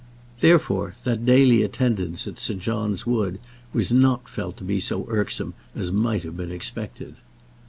Therefore that daily attendance at St. John's Wood was not felt to be so irksome as might have been expected.